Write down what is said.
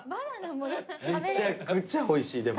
めちゃくちゃおいしいでも。